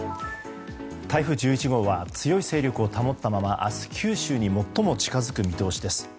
台風１１号は強い勢力を保ったまま明日、九州に最も近づく見通しです。